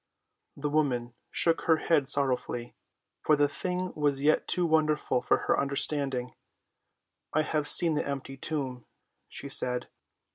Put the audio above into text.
The woman shook her head sorrowfully, for the thing was yet too wonderful for her understanding. "I have seen the empty tomb," she said.